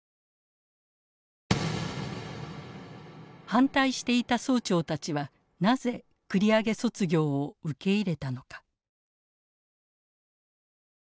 反対していた総長たちはなぜ繰り上げ卒業を受け入れたのか。